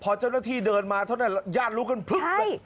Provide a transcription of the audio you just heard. พอเจ้าหน้าที่เดินมาเท่านั้นญาติรู้กันพลึบเลย